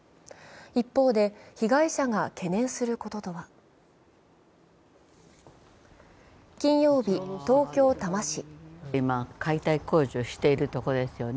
一方で被害者が懸念することとは金曜日、東京・多摩市。